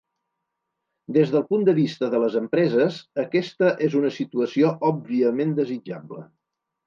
Des del punt de vista de les empreses, aquesta és una situació òbviament desitjable.